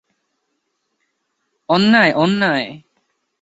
অন্যায়, অন্যায়!